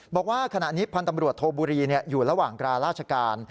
บอกว่าขณะนี้พันธ์ตำรวจโทบุรีอยู่ระหว่างตราราชการ